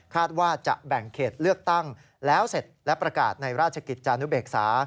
ว่าจะแบ่งเขตเลือกตั้งแล้วเสร็จและประกาศในราชกิจจานุเบกษา